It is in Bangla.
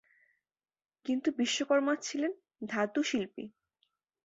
কিন্তু বিশ্বকর্মা ছিলেন ধাতুশিল্পী।